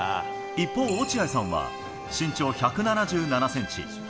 一方、落合さんは身長１７７センチ。